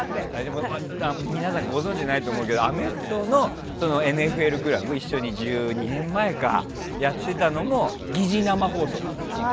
皆さん、ご存じないと思うけどアメフトのＮＦＬクラブ一緒に１２年前ぐらいかやってたのも擬似生放送だったのよ。